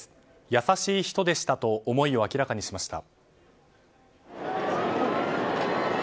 優しい人でしたと思いを明らかにしました。